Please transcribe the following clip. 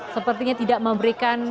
sepertinya tidak memberikan